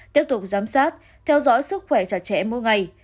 tiếp tục giám sát theo dõi sức khỏe cho trẻ mỗi ngày